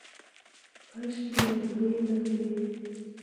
کاشکي، نغمې، نغمې